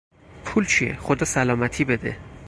پول چیه، خدا سلامتی بده!